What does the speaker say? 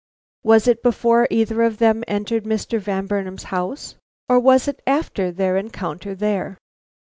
Was it before either of them entered Mr. Van Burnam's house? Or was it after their encounter there?